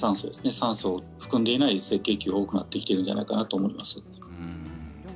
酸素を含んでいない赤血球が多くなっているんじゃないかなと思います。